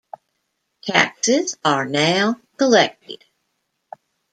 Taxes are now collected.